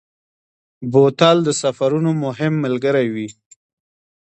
بوتل د سفرونو مهم ملګری وي.